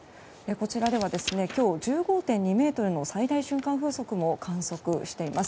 こちらでは今日１５．２メートルの最大瞬間風速も観測しています。